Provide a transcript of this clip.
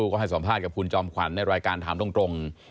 ก็ให้สัมภาษณ์กับคุณจอมขวัญในรายการถามตรง